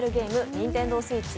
ＮｉｎｔｅｎｄｏＳｗｉｔｃｈ